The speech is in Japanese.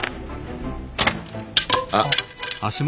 あっ。